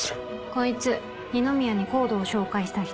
こいつ二宮にＣＯＤＥを紹介した人。